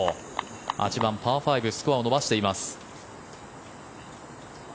８番、パー５スコアを伸ばしています。